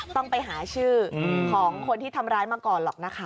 ต้องไปหาชื่อของคนที่ทำร้ายมาก่อนหรอกนะคะ